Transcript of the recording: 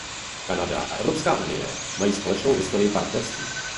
Kanada a Evropská unie mají společnou historii partnerství.